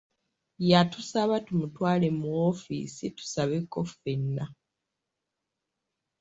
Yatusaba tumutwale mu woofiisi tusabeko ffenna.